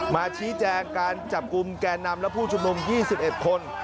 มาชี้แจงการจับกลุ่มแก่นำและผู้ชุมนุม๒๑คน